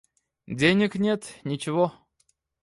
Денег нет ничего.